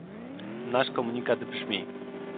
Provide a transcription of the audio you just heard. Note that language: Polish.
Nasz komunikat brzmi